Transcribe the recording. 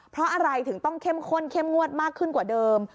เพราะอะไรถึงต้องเข้มข้นเข้มงวดมากขึ้นกว่าเดิม